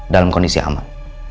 dalam kondisi aman